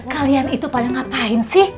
kalian itu pada ngapain sih